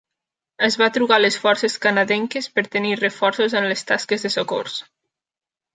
Es va trucar les forces canadenques per tenir reforços en les tasques de socors.